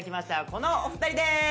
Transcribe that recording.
このお二人でーす。